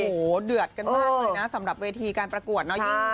โอ้โหเดือดกันมากเลยนะสำหรับเวทีการประกวดเนาะยิ่ง